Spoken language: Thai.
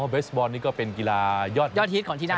เบสบอลนี่ก็เป็นกีฬายอดฮิตของที่นั่น